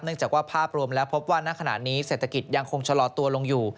จากว่าภาพรวมแล้วพบว่าณขณะนี้เศรษฐกิจยังคงชะลอตัวลงอยู่